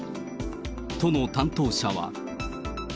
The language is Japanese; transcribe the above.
都の担当者は。